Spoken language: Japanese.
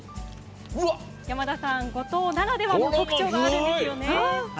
五島ならではの特徴があるんですよね。